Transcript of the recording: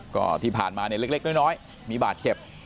ก็ที่ผ่านมาเนี่ยเล็กน้อยมีบาดเจ็บ